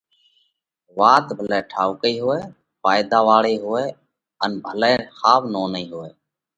وات ڀلئہ ٺائُوڪئِي هوئہ، ڦائيۮا واۯئِي هوئہ ان ڀلئہ ۿاوَ نونَئِي هوئہ۔